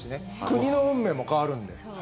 国の運命も変わるんで。